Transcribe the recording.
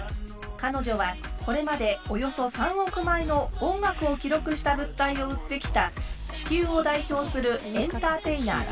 彼女はこれまでおよそ３億枚も音楽を記録した物体を売ってきた地球を代表するエンターテイナーだ。